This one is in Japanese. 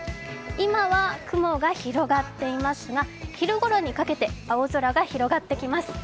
今は、雲が広がっていますが昼ごろにかけて青空が広がっていきます。